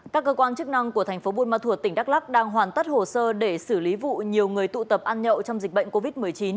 các cơ quan chức năng của thành phố buôn ma thuột tỉnh đắk lắc đang hoàn tất hồ sơ để xử lý vụ nhiều người tụ tập ăn nhậu trong dịch bệnh covid một mươi chín